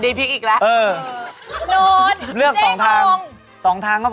เนินว์นเจ๊งงแล้วเลือกสองทาง